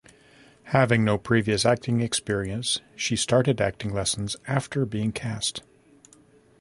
Having no previous acting experience, she started acting lessons after being cast.